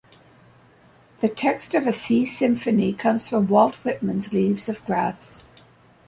The text of "A Sea Symphony" comes from Walt Whitman's "Leaves of Grass".